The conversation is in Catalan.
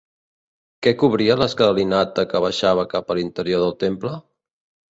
Què cobria l'escalinata que baixava cap a l'interior del temple?